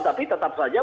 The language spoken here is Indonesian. tapi tetap saja